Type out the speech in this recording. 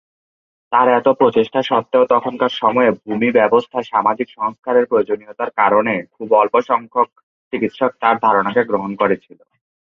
তাঁর এত প্রচেষ্টা সত্ত্বেও তখনকার সময়ের ভূমি ব্যবস্থায় সামাজিক সংস্কারের প্রয়োজনীয়তার কারণে খুব অল্প সংখ্যক চিকিৎসক তাঁর ধারণাকে গ্রহণ করেছিল।